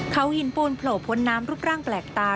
เขาหินปูนโผล่พ้นน้ำรูปร่างแปลกตา